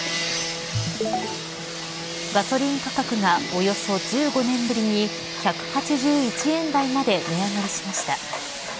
ガソリン価格がおよそ１５年ぶりに１８１円台まで値上がりしました。